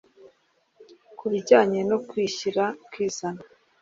ku bijyanye no kwishyira ukizana